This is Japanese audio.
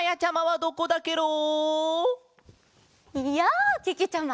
やあけけちゃま！